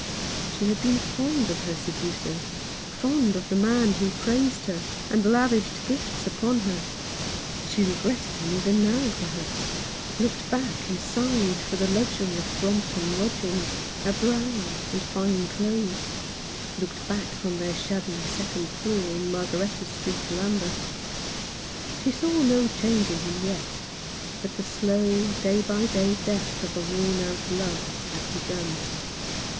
She had been fond of her seducer — fond of the man who praised her, and lavished gifts upon her. She regretted him even now, perhaps ; looked back and sighed for the luxury of Brompton lodgings, a brougham, and fine clothes ; looked back from their shabby second floor in Margaretta Street, Lambeth. She saw no change in him yet ; but the slow, day by day death of a worn out love had begun.